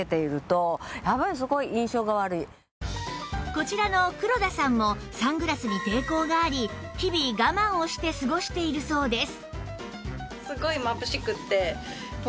こちらの黒田さんもサングラスに抵抗があり日々がまんをして過ごしているそうです